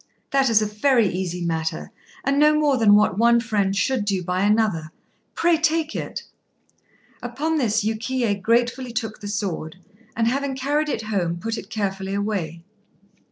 "That is a very easy matter, and no more than what one friend should do by another. Pray take it." Upon this Yukiyé gratefully took the sword, and having carried it home put it carefully away.